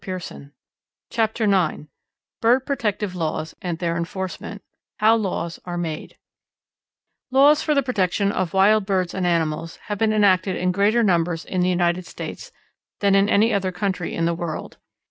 CHAPTER IX BIRD PROTECTIVE LAWS AND THEIR ENFORCEMENT HOW LAWS ARE MADE Laws for the protection of wild birds and animals have been enacted in greater numbers in the United States than in any other country in the world.